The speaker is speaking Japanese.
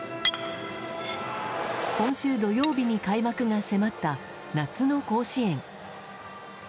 今週土曜日に開幕が迫った夏の甲子園。